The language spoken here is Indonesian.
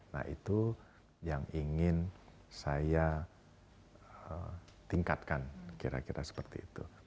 nah itu yang ingin saya tingkatkan kira kira seperti itu